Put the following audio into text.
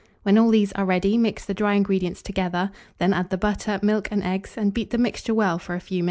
When all these are ready, mix the dry ingredients together; then add the butter, milk, and eggs, and beat the mixture well for a few minutes.